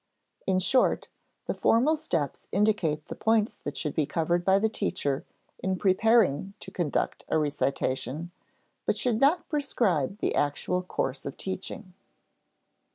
In short, the formal steps indicate the points that should be covered by the teacher in preparing to conduct a recitation, but should not prescribe the actual course of teaching.